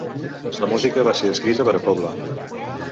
La música va ser escrita per a cobla.